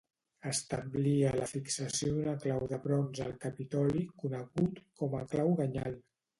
Establia la fixació d'un clau de bronze al Capitoli conegut com a Clau anyal.